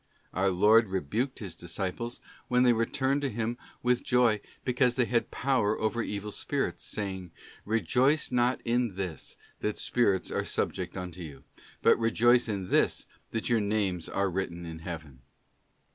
Our Lord rebuked His disciples when they returned to Him with joy because they had power over evil spirits, saying, ' Rejoice not in this, that spirits are subject unto you: but rejoice in this, that your names are written in Heaven.